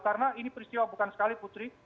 karena ini peristiwa bukan sekali putri